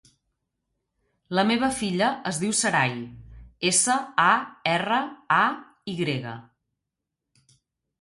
La meva filla es diu Saray: essa, a, erra, a, i grega.